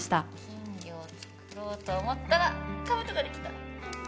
金魚を作ろうと思ったらかぶとができた！